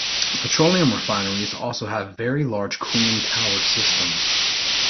Petroleum refineries also have very large cooling tower systems.